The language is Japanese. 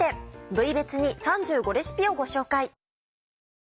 部位別に３５レシピをご紹介。